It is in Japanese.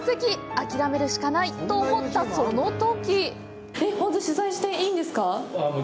諦めるしかないと思った、その時！